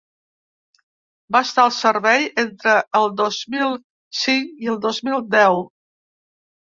Va estar al servei entre el dos mil cinc i el dos mil deu.